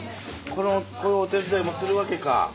こういうお手伝いもするわけか。